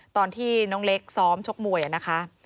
ตอนที่น้องเล็กซ้อมชกมวยนะคะ